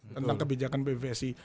tentang kebijakan pbvsi